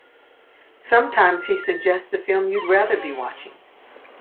Sometimes he suggests the film you'd rather be watching.